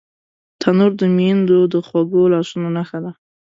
تنور د میندو د خوږو لاسونو نښه ده